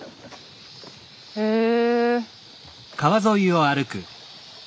へえ。